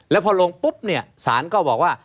แล้วพอลงปุ๊บเนี่ยสารก็บอกว่า